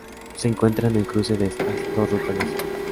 Se encuentra en el cruce de estas dos rutas nacionales.